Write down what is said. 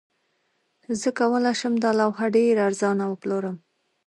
زه کولی شم دا لوحه ډیره ارزانه وپلورم